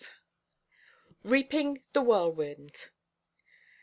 REAPING THE WHIRLWIND.